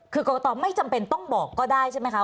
คือกรกตไม่จำเป็นต้องบอกก็ได้ใช่ไหมคะ